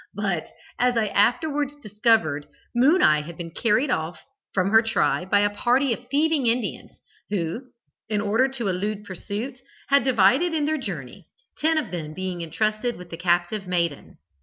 But, as I afterwards discovered,'Moon eye' had been carried off from her tribe by a party of thieving Indians, who, in order to elude pursuit, had divided in their journey, ten of them being entrusted with the captive maiden.